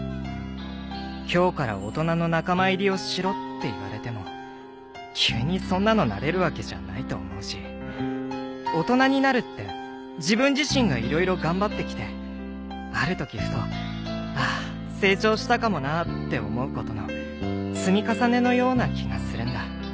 今日から大人の仲間入りをしろって言われても急にそんなのなれるわけじゃないと思うし大人になるって自分自身が色々頑張ってきてある時ふと「ああ成長したかもな」って思うことの積み重ねのような気がするんだ。